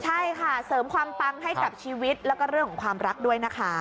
ใช่ค่ะเสริมความปังให้กับชีวิตแล้วก็เรื่องของความรักด้วยนะคะ